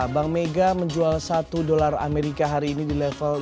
bank mega menjual satu dolar amerika hari ini di level lima belas dua ratus tiga puluh